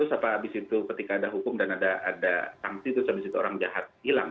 terus habis itu ketika ada hukum dan ada sanksi terus abis itu orang jahat hilang